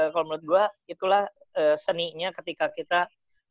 kalau menurut gue itulah seninya ketika kita awalnya pekerja seni